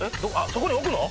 そこに置くの？